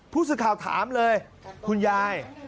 ผู้สื่อข่าวถามเลยคุณยาย